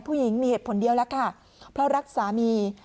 ผู้หญิงมีเหตุผลเดียวแล้วค่ะเพราะรักสามี